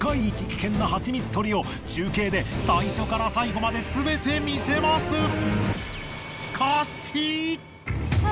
一危険なハチミツ採りを中継で最初から最後まですべて見せます！